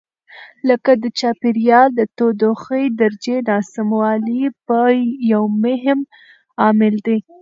لکه د چاپېریال د تودوخې درجې ناسموالی یو مهم عامل دی.